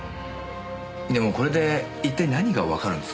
でもこれで一体何がわかるんですか？